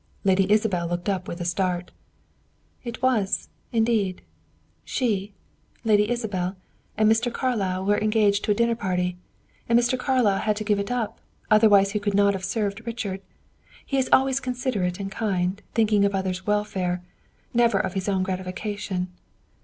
Lady Isabel looked up with a start. "It was, indeed. She Lady Isabel and Mr. Carlyle were engaged to a dinner party; and Mr. Carlyle had to give it up, otherwise he could not have served Richard. He is always considerate and kind, thinking of others' welfare never of his own gratification.